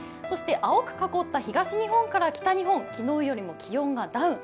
青く囲った東日本から北日本昨日よりも気温がダウン。